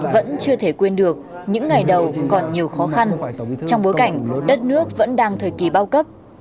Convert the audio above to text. vẫn chưa thể quên được những ngày đầu còn nhiều khó khăn trong bối cảnh đất nước vẫn đang thời kỳ bao cấp